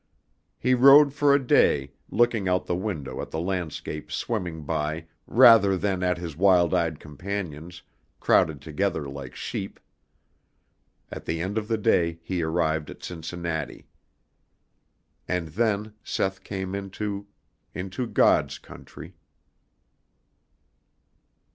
He rode for a day, looking out the window at the landscape swimming by rather than at his wild eyed companions, crowded together like sheep. At the end of the day he arrived at Cincinnati. And then Seth came into into God's country.